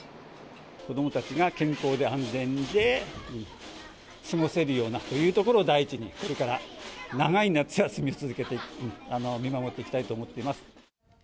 子どもたちが健康で安全で過ごせるようなというところを、第一に、これから長い夏休み、続けて、見守っていきたいと思っています。